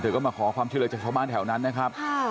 ก็มาขอความช่วยเหลือจากชาวบ้านแถวนั้นนะครับ